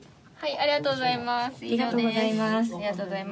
ありがとうございます。